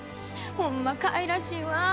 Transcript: ホンマかいらしいわ。